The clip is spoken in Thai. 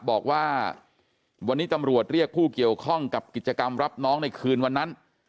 บอกว่าวันนี้ตำรวจเรียกผู้เกี่ยวข้องกับกิจกรรมรับน้องในคืนวันนั้น